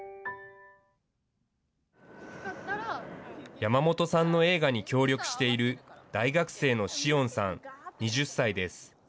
山本さんの映画に協力している大学生の紫桜さん２０歳です。